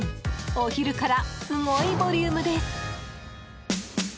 お昼から、すごいボリュームです。